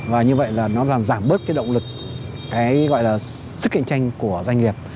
và như vậy là nó giảm bớt cái động lực cái gọi là sức cạnh tranh của doanh nghiệp